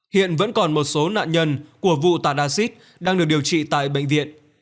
hiện vẫn còn một số nạn nhân của vụ tả acid đang được điều trị tại bệnh viện